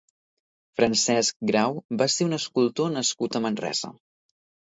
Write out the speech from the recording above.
Francesc Grau va ser un escultor nascut a Manresa.